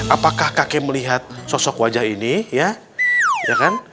apakah kakek melihat sosok wajah ini ya kan